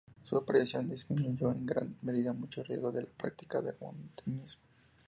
Su aparición disminuyó en gran medida muchos riesgos de la práctica del montañismo.